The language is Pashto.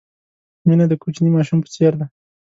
مینه د کوچني ماشوم په څېر ده.